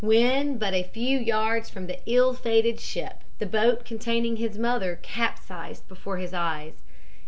When but a few yards from the ill fated ship the boat containing his mother capsized before his eyes.